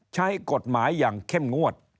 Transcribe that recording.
ใช้กฎหมายอย่างเข้มงวด